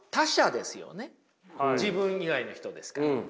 自分以外の人ですから。